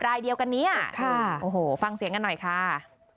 รายเดียวกันเนี่ยโอ้โหฟังเสียงกันหน่อยค่ะ